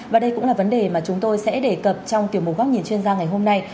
và đây cũng là vấn đề mà chúng tôi sẽ đề cập trong tiểu mục góc nhìn chuyên gia ngày hôm nay